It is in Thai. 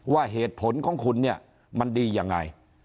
ว่าเหตุผลของคุณมันดีอย่างไร